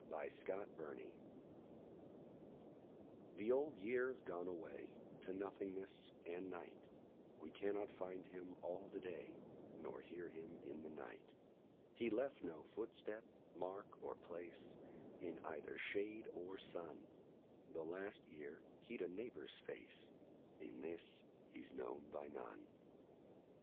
The Old Year The Old Year's gone away To nothingness and night: We cannot find him all the day Nor hear him in the night: He left no footstep, mark or place In either shade or sun: The last year he'd a neighbour's face, In this he's known by none.